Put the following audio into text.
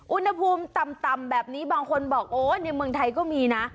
อุณหภูมิต่ำแบบนี้บางคนบอกโอ้ในเมืองไทยก็มีนะ